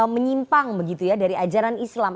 menyimpang dari ajaran islam